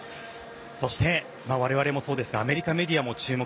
そして我々もそうですがアメリカメディアも注目